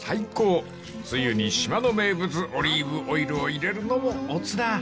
［つゆに島の名物オリーブオイルを入れるのも乙だ］